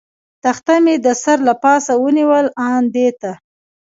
تخته مې د سر له پاسه ونیول، آن دې ته.